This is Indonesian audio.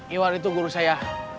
iwan itu guru saya